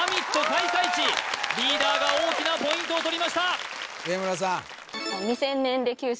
開催地リーダーが大きなポイントをとりました植村さん